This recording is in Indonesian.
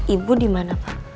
ibu dimana pak